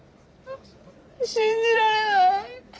信じられない。